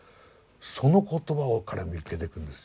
その言葉を彼見っけてくるんですよ。